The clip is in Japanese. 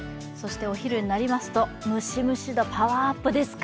お昼になりますと、ムシムシ度パワーアップですか。